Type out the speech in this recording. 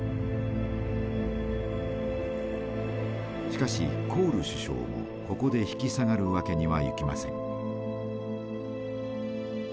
しかしコール首相もここで引き下がるわけにはいきません。